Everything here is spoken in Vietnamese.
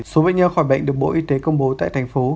số bệnh nhân khỏi bệnh được bộ y tế công bố tại tp hcm